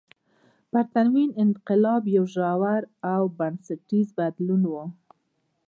پرتمین انقلاب یو ژور او بنسټیز بدلون و.